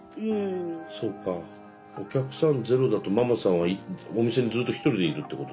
お客さんゼロだとママさんはお店にずっとひとりでいるってことでしょ？